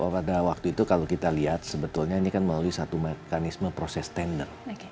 pada waktu itu kalau kita lihat sebetulnya ini kan melalui satu mekanisme proses tender